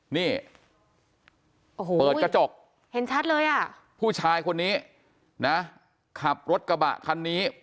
นี่โอ้โหเปิดกระจกเห็นชัดเลยอ่ะผู้ชายคนนี้นะขับรถกระบะคันนี้